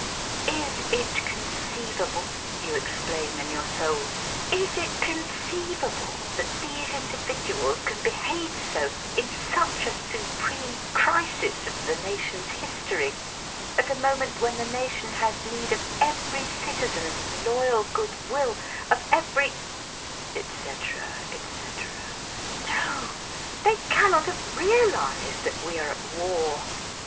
"Is it conceivable," you exclaim in your soul, "is it conceivable that these individuals can be have so in such a supreme crisis of the nation's history, at a moment when the nation has need of every citizen's loyal goodwill, of every^ —?" etc. etc. "No! They cannot have realised that we are at war!"